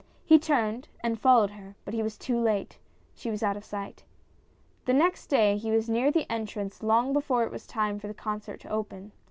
He turned, and followed her, but he was too late. She was out of sight. The next day he was near the entrance long before it was time for the concert to open.